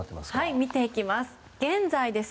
見ていきます。